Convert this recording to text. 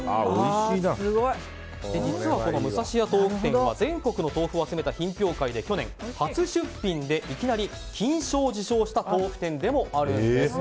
実は、むさしや豆腐店は全国の豆腐を集めた品評会で初出品でいきなり金賞を受賞した豆腐店でもあります。